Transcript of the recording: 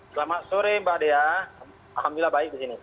selamat sore mbak dea alhamdulillah baik di sini